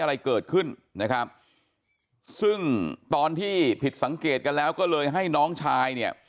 อะไรเกิดขึ้นนะครับซึ่งตอนที่ผิดสังเกตกันแล้วก็เลยให้น้องชายเนี่ย